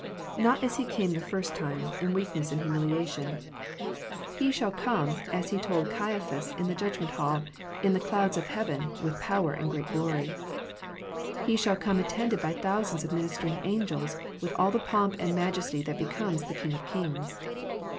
Not as He came the first time, in weakness and humiliation. 254 KNOTS UNTIED. He shall come, as He told Caiaphas in the judgment hall, " in the clouds of heaven," with power and great glory. He shall come attended by thousands of ministering angels, with all the pomp and majesty that becomes the King of kings.